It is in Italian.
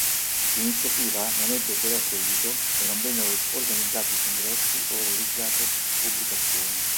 L'iniziativa non ebbe però seguito e non vennero organizzati congressi o realizzate pubblicazioni.